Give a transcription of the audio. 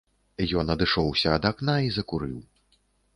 Ён адышоўся ад акна і закурыў.